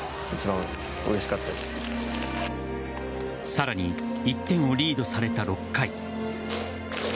さらに１点をリードされた６回。